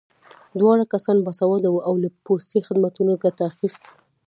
دواړه کسان باسواده وو او له پوستي خدمتونو ګټه اخیست